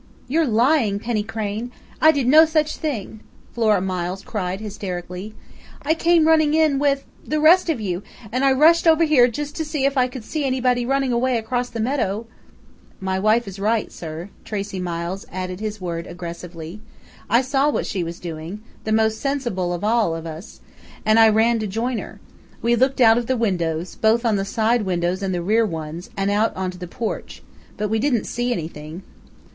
"You're lying, Penny Crain! I did no such thing!" Flora Miles cried hysterically. "I came running in with with the rest of you, and I rushed over there just to see if I could see anybody running away across the meadow " "My wife is right, sir," Tracey Miles added his word aggressively. "I saw what she was doing the most sensible of all of us and I ran to join her. We looked out of the windows, both the side windows and the rear ones, and out onto the porch. But we didn't see anything."